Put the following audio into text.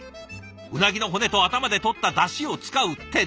うなぎの骨と頭でとっただしを使う徹底ぶり。